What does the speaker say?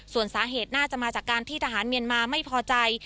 ส่วนสาเหตุน่าจะมาจากการที่ทหารเมียนมาไม่พอใจ